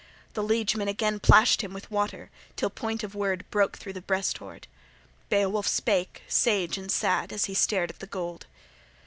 The liegeman again plashed him with water, till point of word broke through the breast hoard. Beowulf spake, sage and sad, as he stared at the gold.